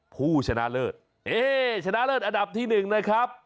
ผู้ชนะเลิศเอ๊ชนะเลิศอันดับที่๑นะครับ